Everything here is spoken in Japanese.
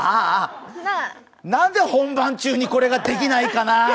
なぜ本番中にこれできないかなぁ。